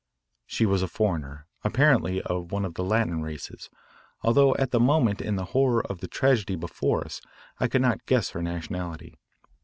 She was a foreigner, apparently of one of the Latin races, although at the moment in the horror of the tragedy before us I could not guess her nationality.